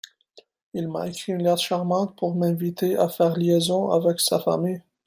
Il m'a écrit une lettre charmante pour m'inviter à faire liaison avec sa famille.